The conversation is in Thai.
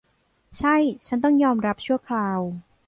ใช่ฉันต้องยอมรับชั่วคราว